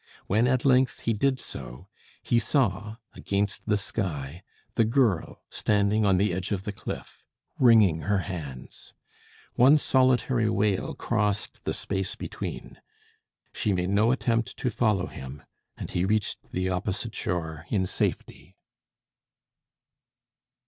When at length he did so, he saw, against the sky, the girl standing on the edge of the cliff, wringing her hands. One solitary wail crossed the space between. She made no attempt to follow him, and he reached the opposite shore in safety.